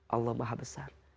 allah maha besar